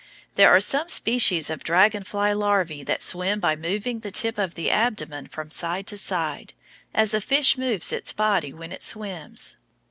There are some species of dragon fly larvæ that swim by moving the tip of the abdomen from side to side, as a fish moves its body when it swims.